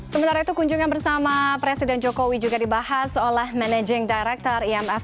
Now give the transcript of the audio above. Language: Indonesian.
sementara itu kunjungan bersama presiden jokowi juga dibahas oleh managing director imf